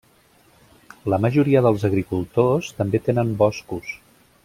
La majoria dels agricultors també tenen boscos.